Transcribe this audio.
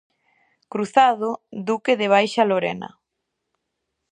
Cruzado, duque da Baixa Lorena.